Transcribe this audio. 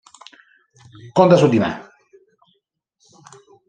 Conta su di me